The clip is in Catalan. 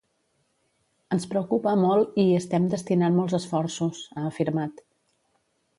Ens preocupa molt i hi estem destinant molts esforços, ha afirmat.